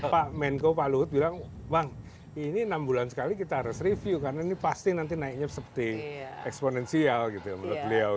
jadi saya ke pak luhut bilang bang ini enam bulan sekali kita harus review karena ini pasti nanti naiknya seperti eksponensial gitu ya menurut beliau